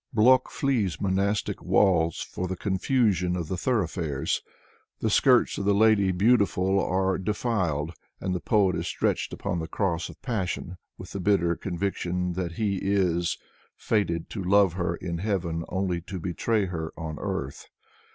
Blok flees monastic walls for the confusion of the thoroughfares. The skirts of the Lady Beautiful are defiled, and the poet is stretched upon the cross of passion, with the bitter conviction that he is " fated to love her in Heaven only to betray her on earth."